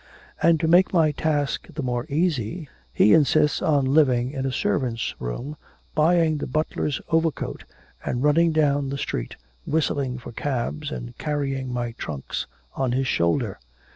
And to make my task the more easy, he insists on living in a servant's room, buying the butler's overcoat, and running down the street whistling for cabs, and carrying my trunks on his shoulder.